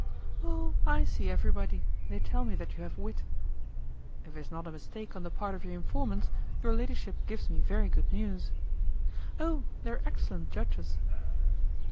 "Oh! I see everybody. They tell me that you have wit." "If it is not a mistake on the part of your informants, your ladyship gives me very good news." "Oh! they are excellent judges."